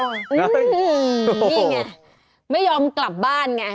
นี่ไงไม่ยอมกลับบ้านไง